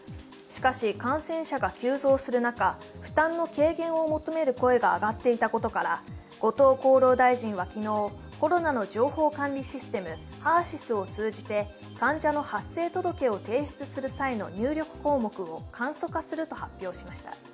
しかし、感染者が急増する中、負担の軽減を求める声が上っていたことから、後藤厚労大臣は昨日、コロナの情報管理システムＨＥＲ−ＳＹＳを通じて患者の発生届を提出する際の入力項目を簡素化すると発表しました。